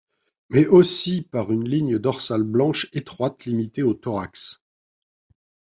Mais aussi par une ligne dorsale blanche étroite limitée au thorax.